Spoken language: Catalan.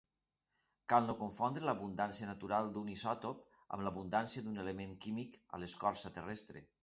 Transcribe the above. Cal no confondre l'abundància natural d'un isòtop, amb l'abundància d'un element químic a l'escorça terrestre.